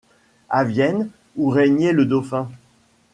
A Vienne, où régnait le dauphin